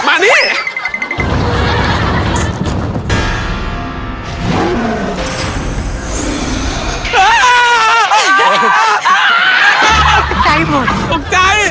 ใกล้เหมือนกันเลย